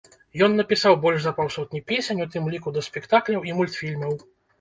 Ён напісаў больш за паўсотні песень, у тым ліку да спектакляў і мультфільмаў.